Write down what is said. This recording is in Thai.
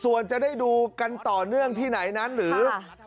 ส่วนจะได้ดูกันต่อเนื่องที่ไหนนั้นหรือ